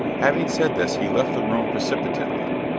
Having said this, he left the room precipitately.